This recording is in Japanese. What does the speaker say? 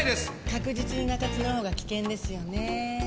確実に中津の方が危険ですよね。